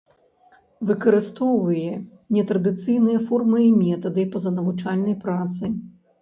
Выкарыстоўвае нетрадыцыйныя формы і метады пазанавучальнай працы.